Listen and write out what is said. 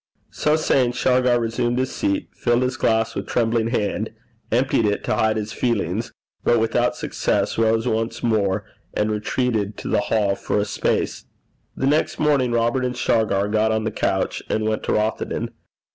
So saying, Shargar resumed his seat, filled his glass with trembling hand, emptied it to hide his feelings, but without success, rose once more, and retreated to the hall for a space. The next morning Robert and Shargar got on the coach and went to Rothieden.